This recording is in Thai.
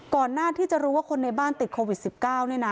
ก่อนหน้าที่จะรู้ว่าคนในบ้านติดโควิด๑๙เนี่ยนะ